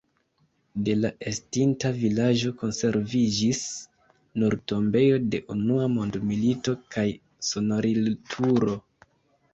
De la estinta vilaĝo konserviĝis nur tombejo de Unua mondmilito kaj sonorilturo.